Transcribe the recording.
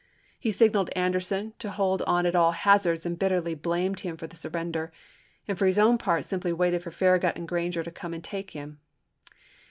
He signaled Anderson to hold on at all hazards and bitterly blamed him for the surrender; and for his own part simply waited for Farragut and Granger to come and take him.